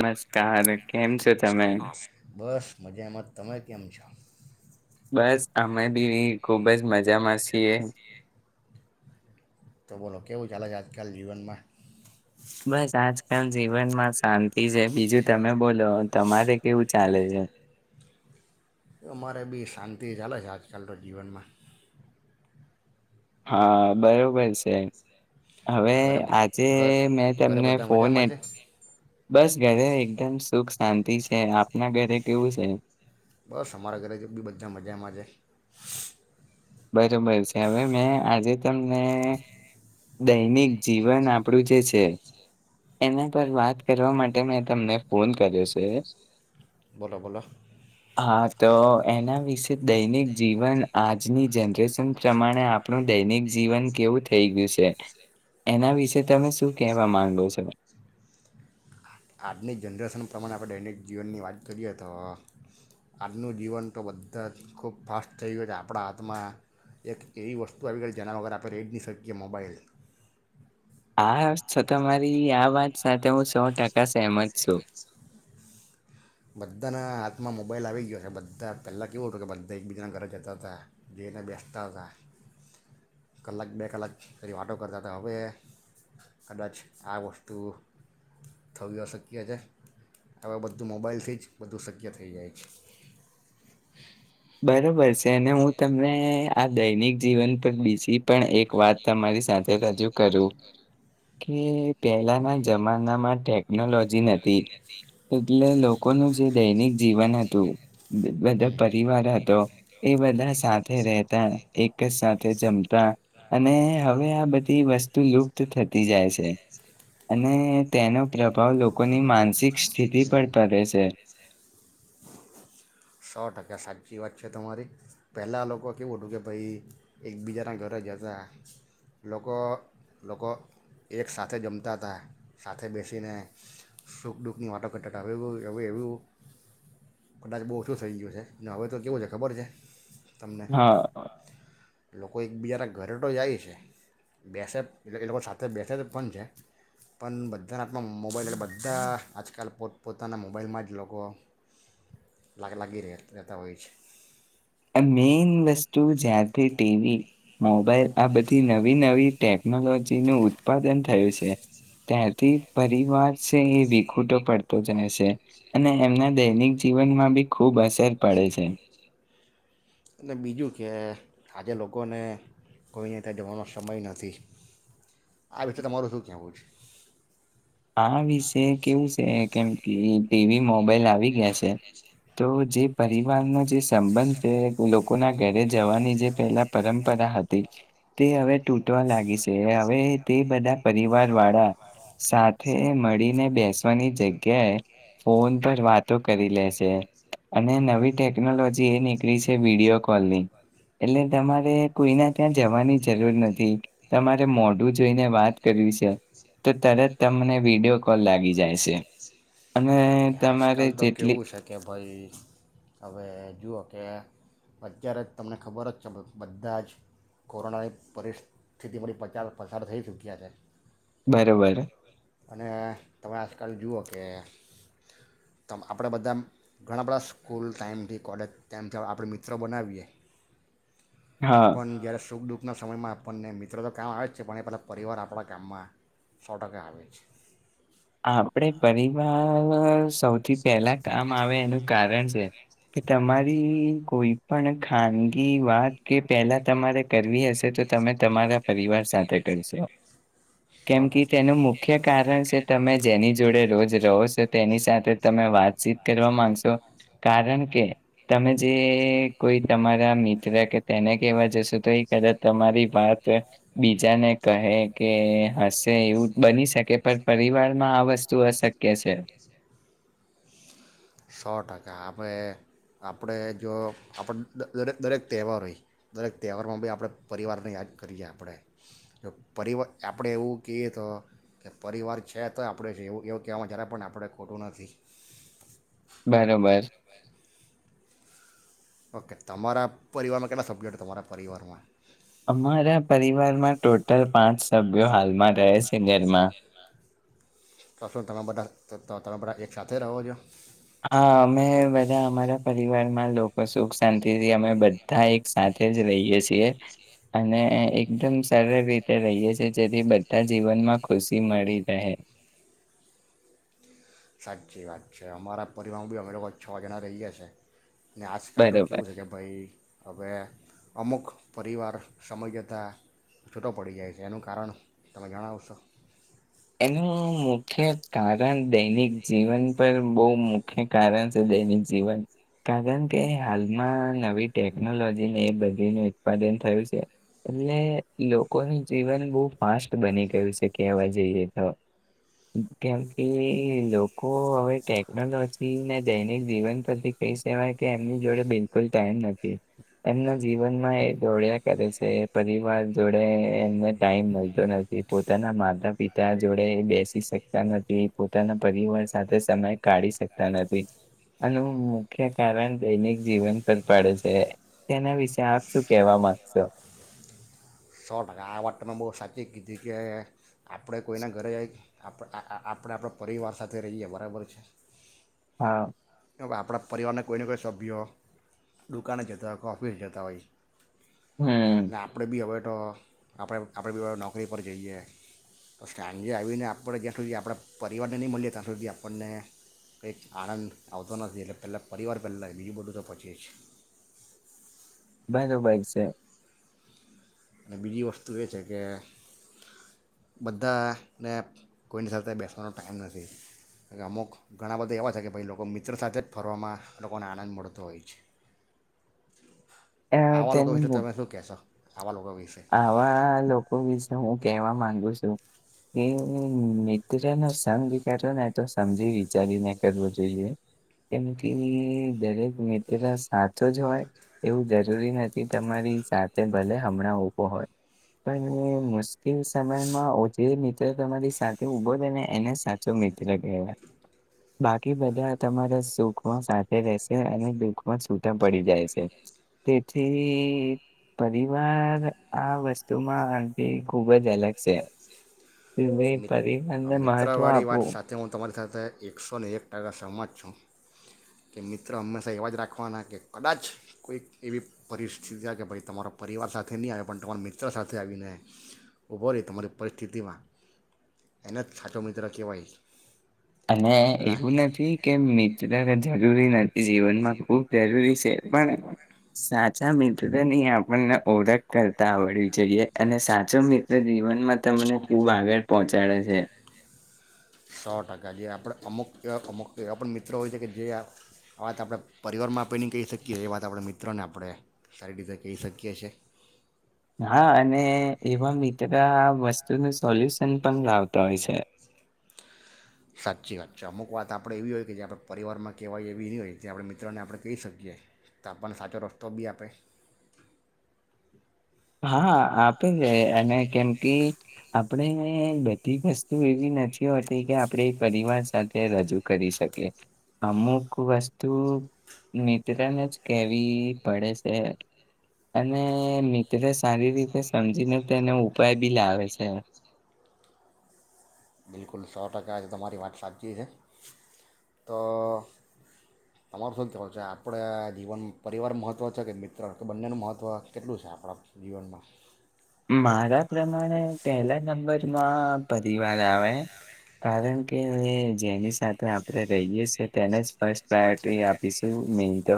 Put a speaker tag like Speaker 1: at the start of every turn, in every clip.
Speaker 1: નમસ્કાર કેમ છો તમે
Speaker 2: બસ મજામાં તમે કેમ છો
Speaker 1: બસ અમે બી ખુબ જ મજામાં છીએ
Speaker 2: તો બોલો કેવું ચાલે છે આજકાલ જીવનમાં
Speaker 1: બસ આજકાલ જીવનમાં શાંતિ છે બીજું તમે બોલો તમારે કેવું ચાલે છે
Speaker 2: તે ચલે છે આજકાલ તો જીવનમાં
Speaker 1: હા બરોબર સે હવે
Speaker 2: ઘરે બ-
Speaker 1: આજે
Speaker 2: ઘર
Speaker 1: મે
Speaker 2: ઘરે
Speaker 1: તમને
Speaker 2: બધા
Speaker 1: ફોન એ
Speaker 2: મજામાં છે
Speaker 1: બસ ઘરે એકદમ સુખ શાંતિ છે આપના ઘરે કેવુ છે
Speaker 2: બસ અમારા ઘરે જ બી બધા મજામા છે
Speaker 1: બરોબર સે હવે મે આજે તમને દૈનિક જીવન આપણું જે છે એના પર વાત કરવા માટે મે તમને ફોન કર્યો છે
Speaker 2: બોલો બોલો
Speaker 1: હા તો એના વિષે દૈનિક જીવન આજની જનરેશન પ્રમાણે આપણું દૈનિક જીવન કેવું થઈ ગયું છે એના વિશે તમે શું કેહેવા માંગો છો
Speaker 2: આજની જનરેશન પ્રમાણે આપણે દૈનિક જીવનની વાત કરીએ તો આજનુ જીવન તો બધા જ ખૂબ ફાસ્ટ થઈ ગયુ છે આપણા હાથમા એક એવી વસ્તુ આવી ગઈ જેના વગર આપણે રેય જ ની શકીએ મોબાઈલ
Speaker 1: આ છ તમારી આ વાત સાથે હું સો ટકા સહેમત સુ
Speaker 2: બધાના હાથમા મોબાઈલ આવી ગયો છે બધા પહેલાં કેવુ હતુ કે બધા એકબીજાના ઘરે જતાતા જેને બેસતા હતા કલાક બે કલાક ફરી વાટો કરતા હતા હવે કદાચ આ વસ્તુ થવી અશક્ય છે હવે બધુ મોબાઈલ થી જ બધુ શક્ય થઈ જાય છે
Speaker 1: બરોબર છે તેને હું તમને આ દૈનિક જીવન પર બીજી પણ એક વાત તમારી સાથે રજુ કરુ કે પહેલાના જમાનામા ટેકનોલોજી નથી એટલે લોકોનુ જે દૈનિક જીવન હતુ [inaudible] બધા
Speaker 2: હમ
Speaker 1: પરિવાર હતો એ બધા સાથે રહેતા એક જ સાથે જમતા અને હવે આ બધી વસ્તુ લુપ્ત થતી જાય છે અને તેનો પ્રભાવ લોકોની માનસિક સ્થિતિ પર પડે છે
Speaker 2: [inaudible] સો ટકા કે સાચી વાત છે તમારી પહેલાં લોકો કેવું હતું કે ભાઈ એકબીજાના ઘરે જતા લોકો લોકો એક સાથે જમતા હતા સાથે બેસ ને સુખ દુઃખની વાતો કરટાટ હવે એ હવે એવું કદાચ બહુ ઓછુ થઈ ગયુ છે અને હવે તો કેવું છે ખબર છે તમને
Speaker 1: હા
Speaker 2: લોકો એકબીજાના ઘરે તો જાય છે બેસે એ લોકો સાથે બેસે તો પણ છે પણ બધા બધા મોબાઈલ એટલે બધા આજકાલ પોત પોતાના મોબાઈલમા જ લોકો લાગ લાગી રહે રહેતા હોય છે
Speaker 1: આ મેઈન વસ્તુ જ્યારથી ટીવી મોબાઈલ આ બધી નવી નવી ટેકનોલોજી નુ ઉત્પાદન થયુ છે ત્યારથી પરિવાર છે એ વી ખુટો પડતો જઈસે અને એમના દૈનિક જીવનમા બી ખૂબ અસર પડે છે
Speaker 2: અને બીજું કે આજે લોકોને કોઈને ત્યા જવાનો સમય નથી આ વિશે તમારુ શું કહેવુ છે
Speaker 1: આ વિશે કેવુ સે કેમ કે ટીવી મોબાઈલ આવી ગયા છે તો જે પરિવારનો જે સંબંધ છે લોકોના ઘરે જવાની જે પહેલા પરંપરા હતી તે હવે તૂટવા લાગી સે હવે તે બધા પરિવાર વાળા સા થે મળીને બેસવાની જગ્યાએ ફોન પર વાતો કરી લે છે અને નવી ટેકનોલોજી એ નીકળી છે વિડીિયો કોલની એટલે તમારે કોઈના ત્યાં જવાની જરૂર નથી તમારે મોઢુ જોઈને વાત કરવી છે તો તરત તમને વિડીયો કોલ લાગી જાય સે અને તમારે
Speaker 2: આજકાલ તો
Speaker 1: જેટલી
Speaker 2: કેવુ છે કે ભાઈ હવે જુઓ કે અત્યારે તમને ખબર જ છે બધા જ કોરોનાની પરિસ્થિતિમાંથી પચાર પસાર થઈ ચૂક્યા છે
Speaker 1: બરોબર
Speaker 2: અને તમે આજકાલ જુઓ કે તો આપણે બધા ઘણા બધા સ્કૂલ ટાઈમથી કોલેજ ટાઈમથી આપણે મિત્રો બનાવીએ
Speaker 1: હા
Speaker 2: પણ જયારે સુખ દુઃખ ના સમયમાં આપણને મિત્રો તો કામ આવે જ છે, પણ એ પહેલાં પરિવાર આપણાં ગામમાં સો ટકા આવે છે.
Speaker 1: આપડે પરિવાર સૌથી પહેલા કામ આવે એનું કારણ છે, કે તમારી કોઈ પણ ખાનગી વાત કે પહેલા તમારે કરવી હશે, તો તમે તમારા પરિવાર સાથે કરશો કેમ
Speaker 2: સો
Speaker 1: કે, તેનું મુખ્ય કારણ છે તમે જેની જોડે રોજ રહો છો તેની સાથે તમે વાતચીત કરવા માંગશો કારણ કે, તમે જે કોઈ તમારા મિત્ર કે કેવા જશ તો એ કદાચ તમારી વાત બીજાને કહે કે હશે એવું બની શકે પણ દિવારમાં આ વસ્તુ અશક્ય છે.
Speaker 2: કા કે આપડે આપડે જો આપડ દરેક દરેક તહેવારો હોય દરેક તહેવારમાં બી આપણે પરિવારને યાદ કરીએ આપણે, જો પરિવા આપણે એવું કહીએ તો કે પરિવાર છે, તો આપણે રહેવું એવું કહેવામાં જ્યારે પણ આપણે ખોટું નથી.
Speaker 1: બરોબર.
Speaker 2: ઓકે તમારા પરિવારમાં કેટલા સભ્યો તમારા પરિવારમાં?
Speaker 1: અમારા પરિવારમાં ટોટલ પાંચ સભ્યો હાલમાં રહે છે ઘરમાં.
Speaker 2: તો શું તમે બધા તો તમે બધા એકસાથે રહો છો?
Speaker 1: હા. અમે બધા અમારા પરિવારમાં લોકો સુખ શાંતિથી અમે બધા એક સાથે જ રહીએ છીએ. અને એકદમ સરળ રીતે રહીએ છીએ, જેથી બધા જીવનમાં ખુશી મળી રહે.
Speaker 2: સાચી વાત છે. અમારા પરિવારમાં બી અમે લોકો છો જણા રહીએ છીએ. ને આજકાલ તો
Speaker 1: બરોબર
Speaker 2: કેવું છે કે ભાઈ હવે અમુક પરિવાર સમય જતા છૂટો પડી જાય છે, એનું કારણ તમે જણાવશો?
Speaker 1: એનું મુખ્ય કારણ દૈનિક જીવન પર બહુ મુખ્ય કારણ છે, દૈનિક જીવન. કારણ કે હાલમાં નવી ટેકનોલોજીને એ બધીનું ઉત્પાદન થયું છે એટલે લોકોનું જીવન બહુ ફાસ્ટ બની ગયું છે કેહેવા જઈએ તો. કેમ કે, લોકો હવે ટેકનોલોજીને દૈનિક જીવન પરથી કહી સવાય કે એમની જોડે બિલકુલ ટાઈમ નથી. એમના જીવનમાં એ દોડ્યા કરે છે પરિવાર જોડે એમને ટાઈમ મળતો નથી પોતાના માતા પિ તા જોડે બેસી શકતા નથી, પોતાના પરિવાર સાથે તા સમય કાઢી શકતા નથી. આનું મુખ્ય કારણ દૈનિક જીવન પર પડે છે તેના વિશે આપ શું કેહેવા માંગશો?
Speaker 2: સો ટકા આ વાતને બહુ સાચી કીધી કે આપણે કોઈના ઘરે જઈ આ-આ-આપણા પરિવાર સાથે રહીએ બરાબર છે.
Speaker 1: હા.
Speaker 2: તો બા આપણા પરિવારના કોઈને કોઈ સભ્યો દુકાને જતા હોય કે ઓફિસ જતા હોય
Speaker 1: હમ
Speaker 2: ને આપણેે બી હવે તો આપડે આપડે નોકરી પર જઈએ તો, સાંજે આવીને આપણે જ્યાં સુધી આપણા પરિવારને નહીં મળીએ, ત્યાં સુધી આપણને કંઈક આનંદ આવતો નથી, એટલે પહેલાં પરિવાર પહેલાં બીજું બધું તો પછીજ.
Speaker 1: બરોબર છે.
Speaker 2: અને બીજી વસ્તુ એ છે કે બધાને કોઈની સાથે બેસવાનો ટાઈમ નથી. એટલે અમુક ઘણા બધા એવા છે કે ભાઈ લોકો મિત્ર સાથે જ ફરવામાં લોકોને આનંદ મળતો હોય છે.
Speaker 1: અ,
Speaker 2: આવા લોકો
Speaker 1: તેનું
Speaker 2: વિશે
Speaker 1: મુ
Speaker 2: તમે શું કહેશો? આવા લોકો વિશે
Speaker 1: આવા લોકો વિશ ને હું કેહેવા માંગુ છું કે, મિત્ર નો સંગ કરો ને તો સમજી વિચારીને કરવો જોઈએ કેમ કે, દરેક મિત્ર સાચો જ હોય એવું જરૂરી નથી, તમારી સાથે ભલે હમણાં ઉભો હોય પણ મુશ્કેલ સમયમાં ઓછ મિત્ર તમારી સાથે ઉભો રહેે ને એને સાચો મિત્ર કહેવા. બાકી બધા તમારા સુખમાં સાથે રહેશે અને દુઃખમાં છૂટા પડી જાય છે. તેથી પરિવાર આ વસ્તુમાં આંટી ખુબજ અલગ છે. વે પરી
Speaker 2: મિત્ર વાળી વાત સાથે હું તમારી સાથ થે એકસો ને એક ટકા સમત છું, કે મિત્ર હંમેશા એવા જ રાખવાના કે કદાચ કોઈક એવી પરિસ્થિતિ છે કે ભાઈ તમારો પરિવાર સાથે નહીં આવે પણ તમારા મિત્ર સાથે આવીને ઊભો રહી તમારી પરિસ્થિતિમાં એને સાચો મિત્ર કેવાય.
Speaker 1: અને એવું નથી કેમ મિત ને જરૂરી નથી જીવનમાં, ખૂબ જરૂરી છે. પણ સાચા મિત્રની આપણને ઓળખ કરતા આવડવી જોઈએ અને સાચો મિત્ર જીવનમાં તમને ખૂબ આગળ પહોંચાડે છે.
Speaker 2: સો ટકા જે આપણે અમુક એવા અમુક એવા પણ મિત્રો હોય છે કે જે આ વાત આપણે પરિવારમાં આપણને નહી કહી શકીએ એ વાત આપણે મિત્રોને આપણે સારી રીતે કહી શકીએ છે.
Speaker 1: હા અને એવા મિત્ર વસ્તુનું સોલ્યુશન પણ લાવતા હોય છે.
Speaker 2: સાચી વાત છે. અમુક વાત આપણે એવી હોય કે જે આપણે પરિવારમાં કહેવાય એવી નહી હોય જે આપણે મિત્રોને આપણે કહી શકીએ તો આપણને સાચો રસ્તો બી આપે
Speaker 1: હાઆ આપ પેને અને કેમ કે ઈ આપણે બધી વસ્તુ એવી નથી હોતી કે આપડે પરિવાર સાથે રજૂ કરી શકીએ. અમુક વસ્તુ મિત્રને જ કેવી પડે છે અને મી ત્ર સારી રીતે સમજીને તેનો ઉપાય બી લાવે છે.
Speaker 2: બિલકુલ સો ટકા આજે તમારી વાત સાચી છે. તો તમારું શું કેવાનુ છે આપણા જીવન પરિવાર મહત્ત્વ છે કે મિત્ર કે બંનેનું મહત્ત્વ કેટલું છે આપણા જીવનમાં?
Speaker 1: મારા પ્રમાણે પહેલા નંબરમાં પરિવાર આવે કારણકે જેની સાથે આપણે રહીએ છીએ તેને જ ફર્સ્ટ પ્રાયોરિટી આપીશું મેન તો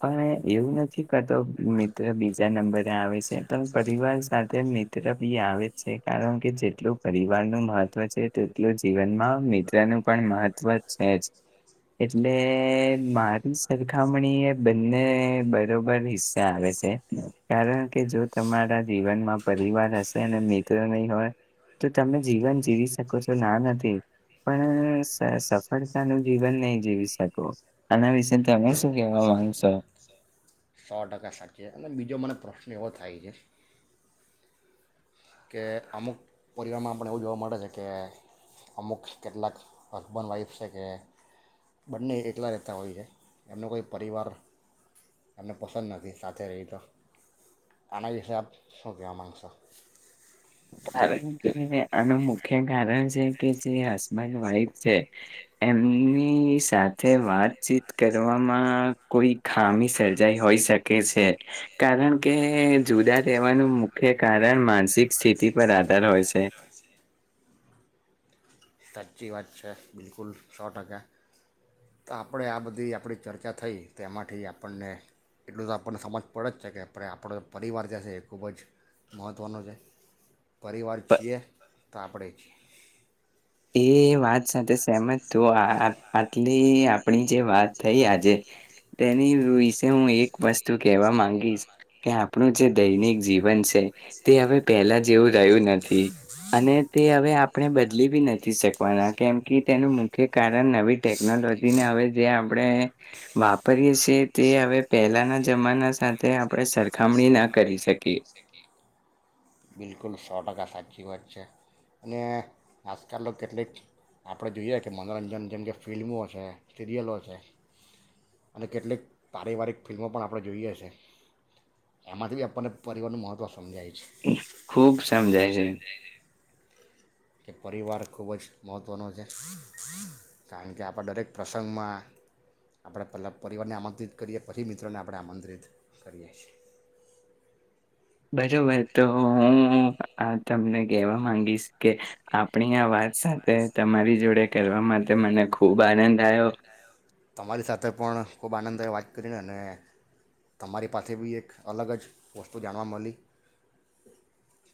Speaker 1: પણ એવું નથી કરતો મિત્ર બીજા નંબરે આવે છે પણ પરિવાર સાથે મિત્ર બી આવે જ છે કારણ કે જેટલું પરિવારનું મહત્ત્વ છે તેટલું જીવનમાં મિત્રનું પણ મહત્ત્વ છે જ. એટલે મારી સરખામણીએ બંને બરોબર હિસ્સા આવે છે. કારણ કે જો તમારા જીવનમાં પરિવાર હશે અને મિત્રો નહી હોય તો તમે જીવન જીવી શકો છો ના નથી પણ સ-સફળતાનું જીવન નહીં જીવી શકો. આના વિશે તમે શું કેહેવા માંગશો?
Speaker 2: સો ટકા સાચે અને બીજો મને પ્રશ્ન એવો થાય છે કે અમુક પરિવારમાં આપણે એવું જોવા મળે છે કે અમુક કેટલાક હસબન્ડ વાઈફ છે કે બંને એકલા રહેતા હોય છે એમનો કોઈ પરિવાર એમને પસંદ નથી સાથે રેય તો. આના વિશે આપ શું કહેવા માગશો?
Speaker 1: કારણ કે આનું મુખ્ય કારણ છે કે જે હસબન્ડ વાઈફ છે એમની સાથે વાતચીત કરવામાં કોઈ ખામી સર્જાઈ હોઈ શકે છે કારણ કે જુદા રહેવાનું મુખ્ય કારણ માનસિક સ્થિ તી પર આધાર હોય છે.
Speaker 2: સાચી વાત છે બિલકુલ સો ટકા તો આપણે આ બધી આપણી ચર્ચા થઈ તો એમાંથી આપણને એટલું તો આપણને સમજ પડે જ છે કે આપણે આપણો પરિવાર જે છે એ ખૂબ જ મહત્ત્વનો છે પરિવાર
Speaker 1: પ
Speaker 2: છીએ તો આપણે છીએ.
Speaker 1: એ વાત સાથે સેહમત તું આ આટલી આપણી જે વાત થઈ આજે તેની વિશે હું એક વસ્તુ કેહેવા માંગીશ કે આપણું જે દૈનિક જીવન છે તે હવે પહેલા જેવું રહ્યું નથી અને તે હવે આપણે બદલી બી નથી થી શકવાના કેમ કે તેનું મુખ્ય કારણ નવી ટેકનોલોજીને હવે જે આપણે વાપરીએ છીએ તે હવે પહેલાના જમાના સાથે આપણે સરખામણી ના કરી શકીએ.
Speaker 2: બિલકુલ સો ટકા સાચી વાત છે અને આજકાલનો કેટલીક આપણે જોઈએ કે મનોરંજન જેમ કે ફિલ્મો છે સિરિયલો છે અને કેટલીક પારિવારિક ફિલ્મો પણ આપણે જોઈએ છે એમાંથી બી આપણને પરિવારનું મહત્ત્વ સમજાય છે.
Speaker 1: ખૂબ સમજાય છે.
Speaker 2: કે પરિવાર ખૂબ જ મહત્ત્વનો છે કારણ કે આપણા દરેક પ્રસંગમાં આપણે પહેલા પરિવારને આમંત્રિત કરીએ પછી મિત્રોને આપણે આમંત્રિત કરીએ છે.
Speaker 1: બરોબર તો હું આ તમને કહેવા માંગીશ કે આપણી આ વાત સાથે તમારી જોડે કરવા માટે મને ખૂબ આનંદ આવ્યો
Speaker 2: તમારી સાથે પણ ખૂબ આનંદ થાય વાત કરીને અને તમારી પાસે બી એક અલગ જ વસ્તુ જાણવા મલી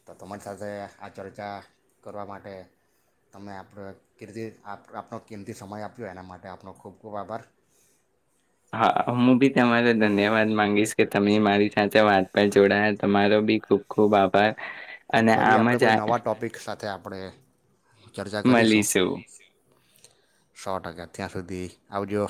Speaker 2: તો તમારી સાથે આ ચર્ચા કરવા માટે તમે આપ કિજી આપણો કિમતી સમય આપ્યો એના માટે આપણો ખૂબ ખૂબ આભાર
Speaker 1: હા હું બી તમારે ધન્યવાદ માંગીશ કે તમે મારી સાથે વાત પર જોડાયા તમારો બી ખૂબ ખૂબ આભાર
Speaker 2: અને ફરી
Speaker 1: આમ
Speaker 2: આપણે
Speaker 1: જ
Speaker 2: કોઈ
Speaker 1: આ
Speaker 2: નવા ટોપિક સાથે આપણે ચર્ચા કરીશું
Speaker 1: મળીશું.
Speaker 2: સો ટકા ત્યાં સુધી આવજો